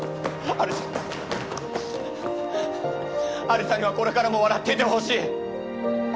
有沙にはこれからも笑っていてほしい。